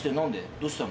どうしたの？